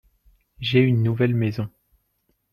j'ai une nouvelle maison.